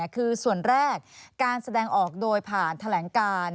คือส่วนแรกการแสดงออกโดยผ่านแถลงการ